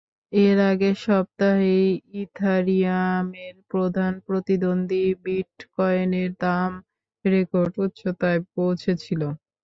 এর আগের সপ্তাহেই ইথারিয়ামের প্রধান প্রতিদ্বন্দ্বী বিটকয়েনের দাম রেকর্ড উচ্চতায় পৌঁছেছিল।